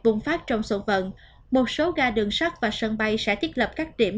vùng phát trong xuân vận một số ga đường sát và sân bay sẽ thiết lập các điểm